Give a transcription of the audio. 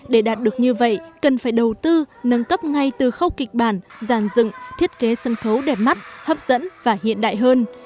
để đạt được như vậy cần phải đầu tư nâng cấp ngay từ khâu kịch bản giàn dựng thiết kế sân khấu đẹp mắt hấp dẫn và hiện đại hơn